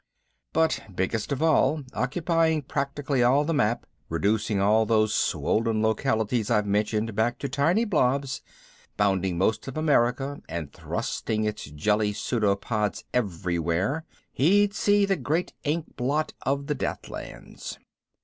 But biggest of all, occupying practically all the map, reducing all those swollen localities I've mentioned back to tiny blobs, bounding most of America and thrusting its jetty pseudopods everywhere, he'd see the great inkblot of the Deathlands.